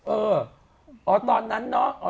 เออตอนนั้นนะ